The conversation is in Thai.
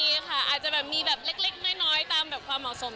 อาจจะแบบมีแบบเล็กน้อยตามแบบความเหมาะสม